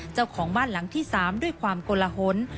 เจ้าของบ้านหลังที่๓ด้วยความกลหน